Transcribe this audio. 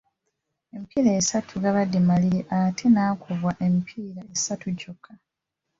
Emipiira esatu gabadde maliri ate n'akubwa emipiira esatu gyokka.